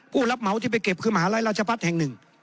ผู้รับเหมาที่ไปเก็บคือมหาลัยราชพัฒน์แห่งหนึ่ง